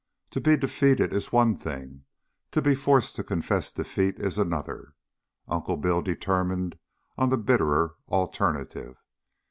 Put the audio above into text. To be defeated is one thing; to be forced to confess defeat is another. Uncle Bill determined on the bitterer alternative.